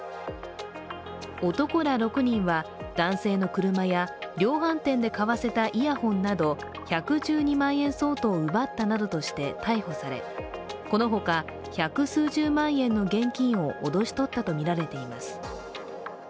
男ら６人は、男性の車や量販店で買わせたイヤホンなど１１２万円相当を奪ったなどとして逮捕されこの他、百数十万円の現金を脅し取ったとみられています。